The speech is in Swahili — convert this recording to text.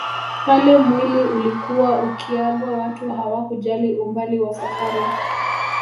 Pale mwili ulikuwa ukiagwa watu hawakujali umbali wa safari